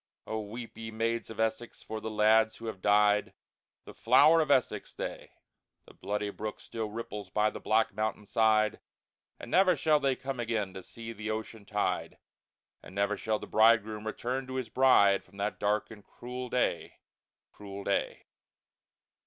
Oh, weep, ye Maids of Essex, for the Lads who have died, The Flower of Essex they! The Bloody Brook still ripples by the black Mountain side, But never shall they come again to see the ocean tide, And never shall the Bridegroom return to his Bride, From that dark and cruel Day, cruel Day!